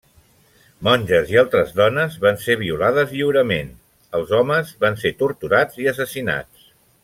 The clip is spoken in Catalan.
Monges i altres dones van ser violades lliurement; els homes van ser torturats i assassinats.